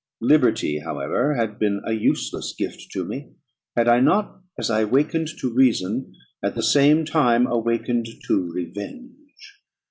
Liberty, however, had been an useless gift to me, had I not, as I awakened to reason, at the same time awakened to revenge.